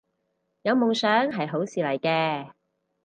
有夢想係好事嚟嘅